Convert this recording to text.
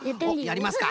やりますか。